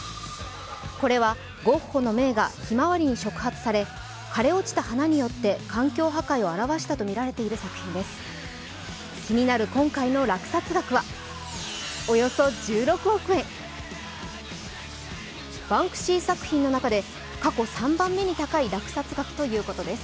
これは、ゴッホの名画「ひまわり」に触発され、枯れ落ちた花によって環境破壊を表しているものです。